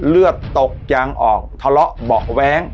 เลือดตกยางออกทะเลาะเบาะแว้ง